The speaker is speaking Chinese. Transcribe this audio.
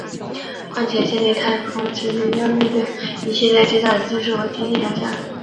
况且建立太空殖民要面对一系列巨大的技术和经济挑战。